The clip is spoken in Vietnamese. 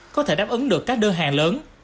có thể đáp ứng được các đơn hàng lớn